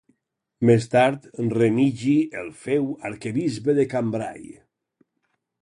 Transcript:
Més tard, Remigi el féu arquebisbe de Cambrai.